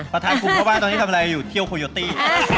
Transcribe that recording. ประธานกลุ่มเพราะว่าตอนนี้ทำอะไรอยู่เที่ยวโคโยตี้